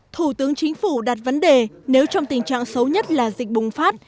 thủ tướng chính phủ đặt vấn đề nếu trong tình trạng xấu nhất là dịch bùng phát